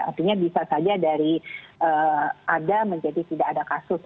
artinya bisa saja dari ada menjadi tidak ada kasus